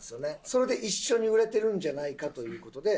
それで一緒に売れてるんじゃないかという事で。